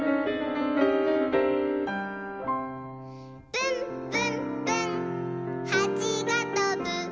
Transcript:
「ぶんぶんぶんはちがとぶ」